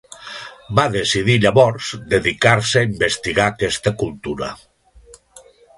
Va decidir llavors dedicar-se a investigar aquesta cultura.